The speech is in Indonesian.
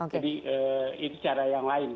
jadi itu cara yang lain